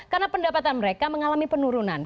karena pendapatan mereka mengalami penurunan